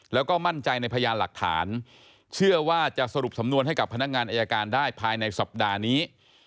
แล้วก็มั่นใจในพยานหลักฐานเชื่อว่าจะสรุปสำนวนให้กับพนักงานอายการได้ภายในสัปดาห์นี้